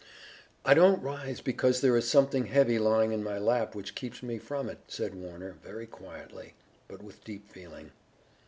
"I don't rise because there is something heavy lying in my lap which keeps me from it," said Warner very quietly, but with deep feeling.